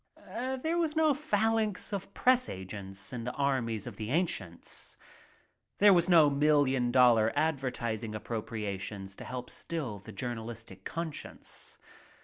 There was no phalanx of press agents in the armies of the ancients. There were no million dollar ad vertising appropriations to help still the journalistic conscience.